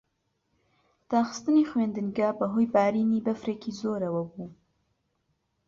داخستنی خوێندنگە بەهۆی بارینی بەفرێکی زۆرەوە بوو.